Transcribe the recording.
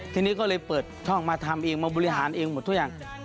ทีนี้ก็เลยเปิดช่องมาทำเองมาบริหารเองหมดทุกอย่าง